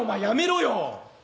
やめろよ！